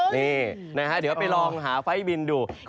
นี่นะครับเดี๋ยวไปลองหาไฟบินดู